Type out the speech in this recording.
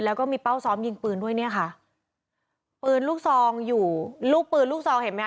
แล้วก็มีเป้าซ้อมยิงปืนด้วยเนี่ยค่ะปืนลูกซองอยู่ลูกปืนลูกซองเห็นไหมค